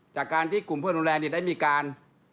จากการที่กลุ่มเภอหลวงแรงได้มีการ